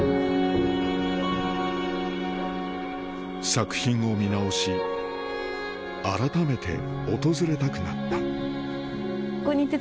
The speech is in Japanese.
作品を見直し改めて訪れたくなったで。